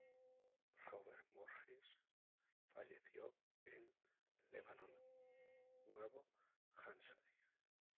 Robert Morris falleció en Lebanon, Nuevo Hampshire.